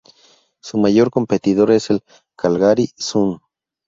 Su mayor competidor es el "Calgary Sun".